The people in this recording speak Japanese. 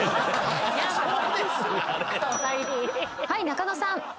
はい中野さん。